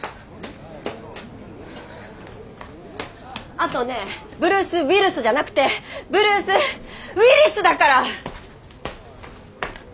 あとねブルース・ウィルスじゃなくてブルース・ウィリスだから！